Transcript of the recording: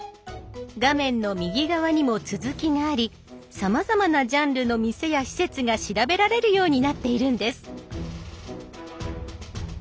画面の右側にも続きがありさまざまなジャンルの店や施設が調べられるようになっているんです。